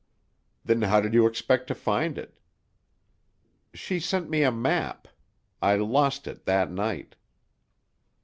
"Then how did you expect to find it?" "She sent me a map. I lost it—that night."